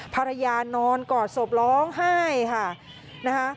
ภรรยานอนกอดศพร้องไห้ค่ะนะคะ